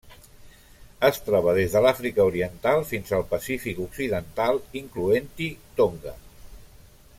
Es troba des de l'Àfrica oriental fins al Pacífic occidental, incloent-hi Tonga.